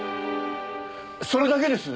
それだけです！